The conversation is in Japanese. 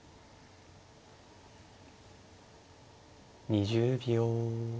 ２０秒。